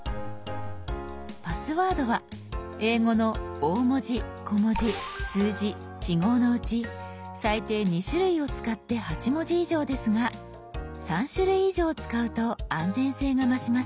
「パスワード」は英語の大文字小文字数字記号のうち最低２種類を使って８文字以上ですが３種類以上使うと安全性が増します。